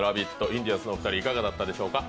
インディアンスの２人いかがだったですか？